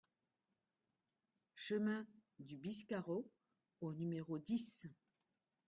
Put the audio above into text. Chemin du Biscarot au numéro dix